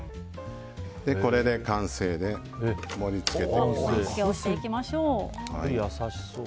これで完成で盛り付けていきます。